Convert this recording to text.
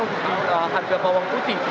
untuk harga bawang putih